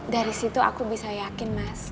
dari situ aku bisa yakin mas